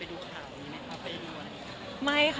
พี่ใหม่หลังจากนี้จะมีไปดูข่าวนี้ไหมคะ